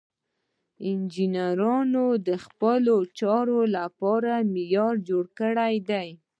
انجینرانو د خپلو چارو لپاره معیارونه جوړ کړي دي.